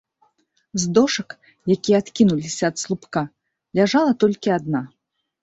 З дошак, якія адкінуліся ад слупка, ляжала толькі адна.